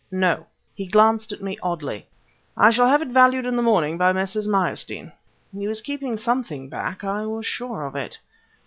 "No." He glanced at me oddly. "I shall have it valued in the morning by Messrs. Meyerstein." He was keeping something back; I was sure of it.